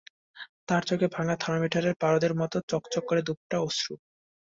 তাঁর চোখে ভাঙা থার্মোমিটারের পারদের মতো চকচক করে দুই ফোঁটা অশ্রু।